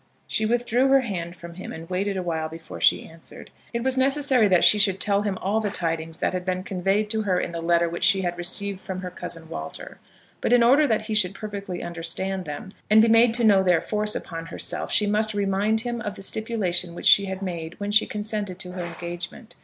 She withdrew her hand from him, and waited a while before she answered. It was necessary that she should tell him all the tidings that had been conveyed to her in the letter which she had received from her cousin Walter; but in order that he should perfectly understand them and be made to know their force upon herself she must remind him of the stipulation which she had made when she consented to her engagement.